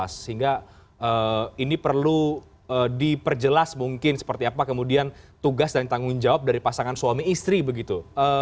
sehingga ini perlu diperjelas mungkin seperti apa kemudian tugas dan tanggung jawab dari pasangan suami istri begitu